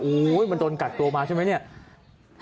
โอ๊ยมันโดนกัดตัวมาใช่ไหม